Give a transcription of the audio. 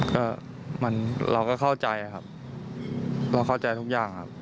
ก็เราก็เข้าใจครับเราเข้าใจทุกอย่างครับ